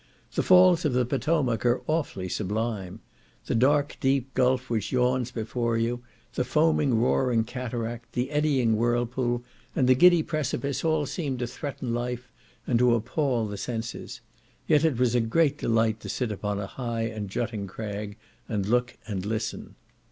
The falls of the Potomac are awfully sublime: the dark deep gulf which yawns before you, the foaming, roaring cataract, the eddying whirlpool, and the giddy precipice, all seem to threaten life, and to appal the senses. Yet it was a great delight to sit upon a high and jutting crag, and look and listen.